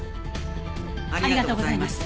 ありがとうございます。